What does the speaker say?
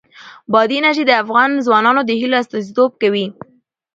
بادي انرژي د افغان ځوانانو د هیلو استازیتوب کوي.